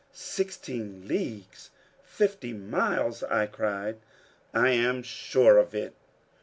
"Sixteen leagues fifty miles!" I cried. "I am sure of it."